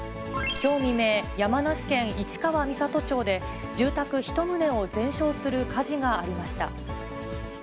きょう未明、山梨県市川三郷町で、住宅１棟を全焼する火事がありました。